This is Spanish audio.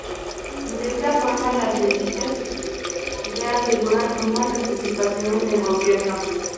De esta forma, las elites se aseguran una representación en el gobierno.